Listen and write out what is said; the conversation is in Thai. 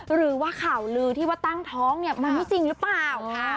หรือว่าข่าวลือที่ว่าตั้งท้องเนี่ยมันไม่จริงหรือเปล่า